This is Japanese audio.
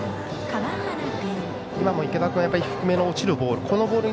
今も池田君は低めの落ちるボール。